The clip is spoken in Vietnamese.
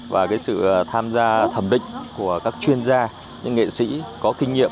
và sự tham gia thẩm định của các chuyên gia những nghệ sĩ có kinh nghiệm